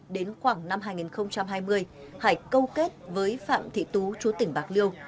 đến khoảng năm hai nghìn hai mươi hải câu kết với phạm thị tú chú tỉnh bạc liêu